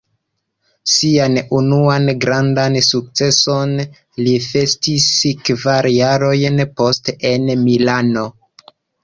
Sian unuan grandan sukceson li festis kvar jarojn poste en Milano.